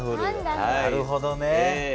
なるほどね。